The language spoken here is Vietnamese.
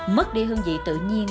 mất đi hương vị tự nhiên